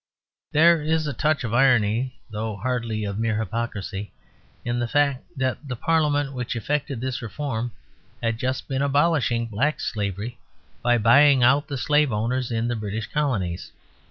There is a touch of irony, though hardly of mere hypocrisy, in the fact that the Parliament which effected this reform had just been abolishing black slavery by buying out the slave owners in the British colonies.